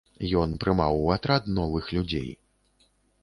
Ён прымаў у атрад новых людзей.